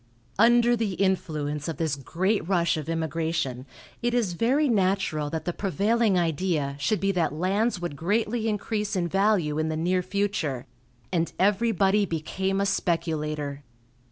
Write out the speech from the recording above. Under the influence of this great rush of immigration it is very natural that the prevailing idea should be that lands would greatly increase in value in the near future, and everybody became a speculator.